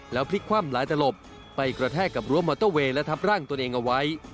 แล้วพลิกความหลายแต่หลบไปกระแทกกับรวมมอเตอร์เวย์และทัพร่างตัวเองเอาไว้